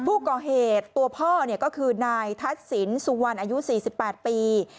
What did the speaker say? ผู้ก่อเหตุตัวพ่อก็คือนายทัศนสุวรรณอายุ๔๘ปี